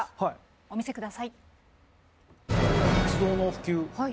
お見せください。